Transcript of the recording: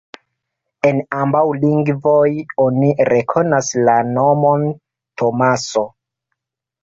En ambaŭ lingvoj oni rekonas la nomon Tomaso.